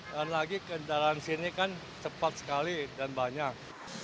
dan lagi kendaraan sini kan cepat sekali dan banyak